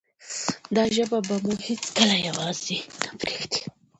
دا ژبه به مو هیڅکله یوازې نه پریږدي.